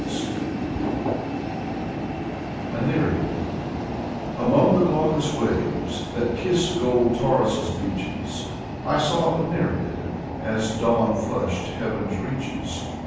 Alexander Pushkin A NEREID Among the glaucous waves that kiss gold Tauris* beaches I saw a Nereid, as dawn flushed heaven's reaches.